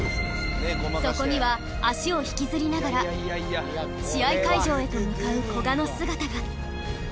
そこには足をひきずりながら試合会場へと向かう古賀の姿が